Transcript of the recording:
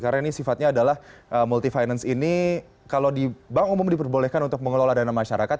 karena ini sifatnya adalah multi finance ini kalau di bank umum diperbolehkan untuk mengelola dana masyarakat